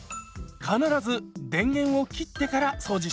必ず電源を切ってから掃除しましょう。